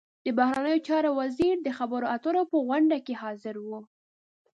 د بهرنیو چارو وزیر د خبرو اترو په غونډه کې حاضر و.